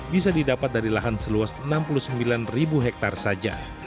bisa didapat dari lahan seluas enam puluh sembilan ribu hektare saja